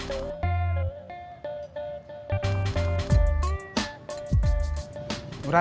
i dripa enggak diek lagiarlo